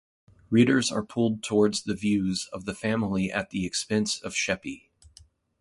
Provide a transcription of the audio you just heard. Readers are pulled towards the views of the family at the expense of Sheppey.